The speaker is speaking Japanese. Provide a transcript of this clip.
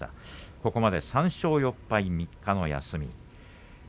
ここまで３勝４敗３日の休み。